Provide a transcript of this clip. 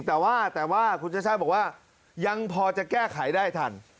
แต่ว่าแต่ว่าคุณชาติชาติบอกว่ายังพอจะแก้ไขได้ทัน